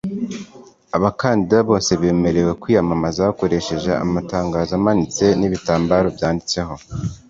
Abakandida bose bemerewe kwiyamamaza bakoreshe amatangazo amanitse n’ibitambaro byanditseho